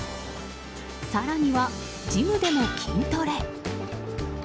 更にはジムでも筋トレ。